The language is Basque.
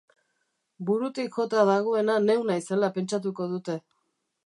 Burutik jota dagoena neu naizela pentsatuko dute.